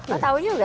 oh tau juga